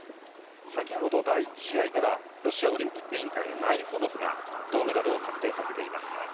先ほど、第１試合では、ロシアオリンピック委員会のナイフォノフが銅メダルを確定させています。